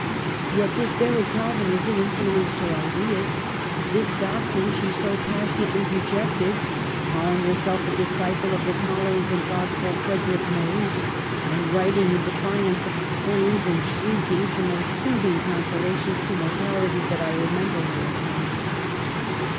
Yet this very Calvinism influenced her ideas, this doctrine she so passionately rejected, calling herself a disciple of the tolerant and thoughtful Frederick Maurice, and writing, in defiance of its flames and shriek ings, the most soothing consolations to mortality that I remember in our tongue.